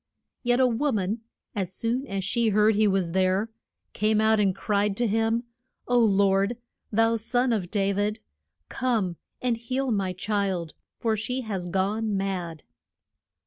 Yet a wo man, as soon as she heard he was there, came out and cried to him, O Lord, thou Son of Da vid, come and heal my child, for she has gone mad.